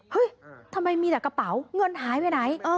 เฮ้ยทำไมมีแต่กระเป๋าเงินหายไปไหน